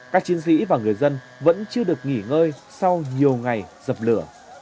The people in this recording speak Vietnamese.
các chiến sĩ và người dân vẫn chưa được nghỉ ngơi sau nhiều ngày dập lửa